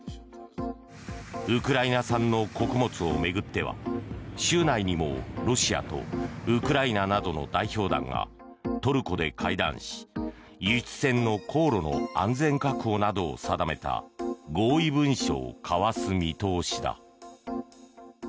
ウクライナ産の穀物を巡っては週内にもロシアとウクライナなどの代表団がトルコで会談し輸出船の航路の安全確保などを定めた合意文書を交わす見通しだ。